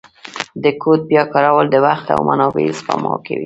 د کوډ بیا کارول د وخت او منابعو سپما کوي.